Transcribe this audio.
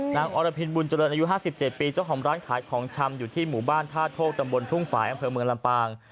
อรพินบุญเจริญอายุ๕๗ปีเจ้าของร้านขายของชำอยู่ที่หมู่บ้านท่าโทกตำบลทุ่งฝ่ายอำเภอเมืองลำปาง